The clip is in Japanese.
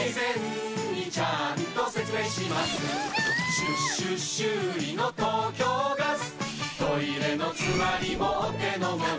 しゅ・しゅ・修理の東京ガストイレのつまりもお手のもの